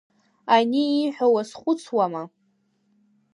Ани ииҳәо уазхәыцуама.